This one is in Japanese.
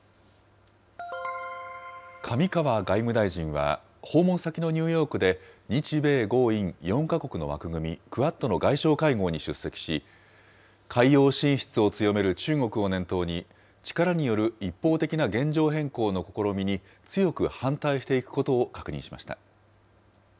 上川外務大臣は、訪問先のニューヨークで、日米豪印４か国の枠組み、クアッドの外相会合に出席し、海洋進出を強める中国を念頭に、力による一方的な現状変更の試みに強く反対していくことを確認しました。